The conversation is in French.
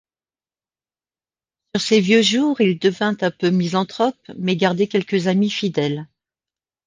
Sur ses vieux jours, il devint un peu misanthrope mais gardait quelques amis fidèles.